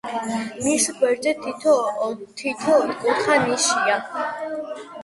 მის გვერდებზე თითო ოთხკუთხა ნიშია.